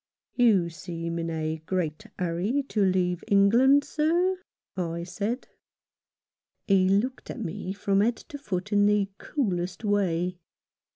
"You seem in a great hurry to leave England, sir," I said. He looked at me from head to foot in the coolest way.